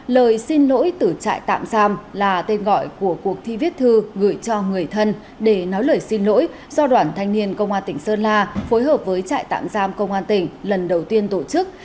lời xin lỗi từ trại tạm giam là tên gọi của cuộc thi viết thư gửi cho người thân để nói lời xin lỗi do đoàn thanh niên công an tỉnh sơn la phối hợp với trại tạm giam công an tỉnh lần đầu tiên tổ chức